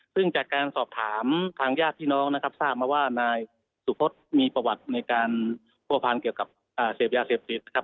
ซึ่งจากการสอบถามทางญาติพี่น้องนะครับทราบมาว่านายสุพศมีประวัติในการผัวพันเกี่ยวกับเสพยาเสพติดนะครับ